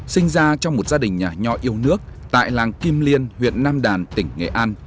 sinh ra trong một gia đình nhà nhỏ yêu nước tại làng kim liên huyện nam đàn tỉnh nghệ an